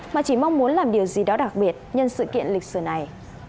mà chỉ mong muốn làm điều gì đó đặc biệt nhân sự kiện lịch sử này